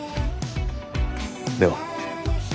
では。